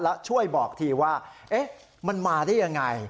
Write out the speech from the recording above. แล้วช่วยบอกทีว่ามันมาได้ยังไง